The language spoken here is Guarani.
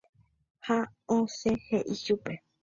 ha osẽ he'i chupe